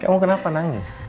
kamu kenapa nangis